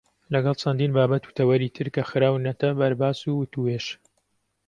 لەگەڵ چەندین بابەت و تەوەری تر کە خراونەتە بەرباس و وتووێژ.